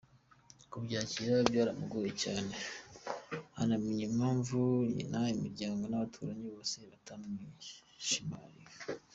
Kubyakira byaramugoye cyane, anamenya impamvu nyina, imiryango n’abaturanyi bose batamwishimiraga.